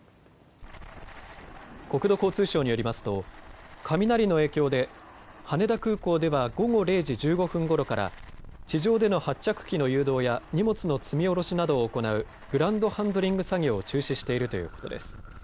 国土交通省によりますと雷の影響で羽田空港では午後０時１５分ごろから地上での発着機の誘導や荷物の積み降ろしなどを行うグランドハンドリング作業を中止しているということです。